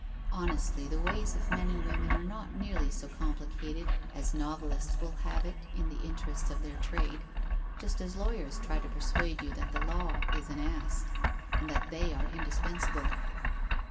Honestly, the ways of men and women are not nearly so complicated as novel ists will have it in the interests of their trade, just as lawyers try to persuade you that the law is an ass, and that they are indispensable.